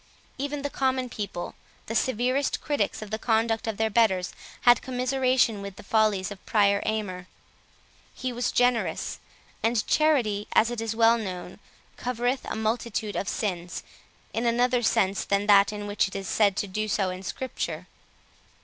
Even the common people, the severest critics of the conduct of their betters, had commiseration with the follies of Prior Aymer. He was generous; and charity, as it is well known, covereth a multitude of sins, in another sense than that in which it is said to do so in Scripture.